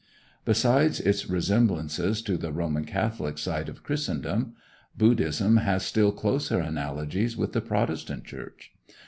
Besides its resemblances to the Roman Catholic side of Christendom, Buddhism has still closer analogies with the Protestant Church.